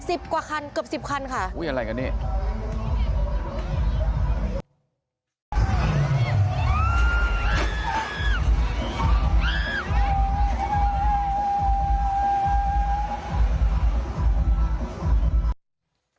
สิบกว่าคันเกือบสิบคันค่ะอุ้ยอะไรกันเนี่ย